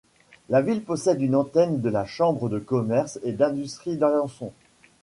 La ville possède une antenne de la chambre de commerce et d'industrie d'Alençon.